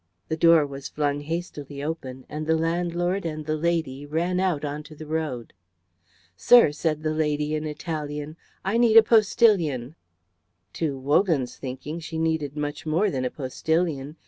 The door was flung hastily open, and the landlord and the lady ran out onto the road. "Sir," said the lady in Italian, "I need a postillion." To Wogan's thinking she needed much more than a postillion.